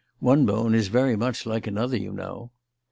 "One bone is very much like another, you know."